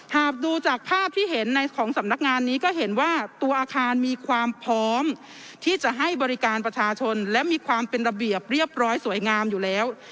หากดูจากภาพที่เห็นในของสำนักงานนี้ก็เห็นว่าตัวอาคารมีความพร้อมที่จะให้บริการประชาชนและมีความเป็นระเบียบเรียบร้อยสวยงามอยู่แล้ว